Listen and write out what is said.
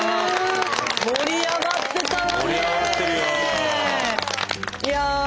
盛り上がってたわね。